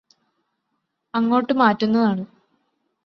അങ്ങോട്ട് മാറ്റുന്നതാണ്